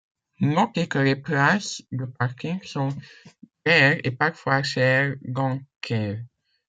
Noter que les places de parking sont rares et parfois chères dans Kew.